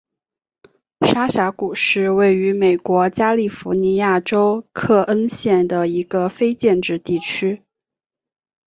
沙峡谷是位于美国加利福尼亚州克恩县的一个非建制地区。